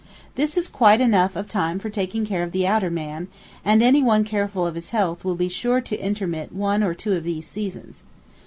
This is quite enough of time for taking care of the outer man, and any one careful of his health will be sure to intermit one or two of these seasons.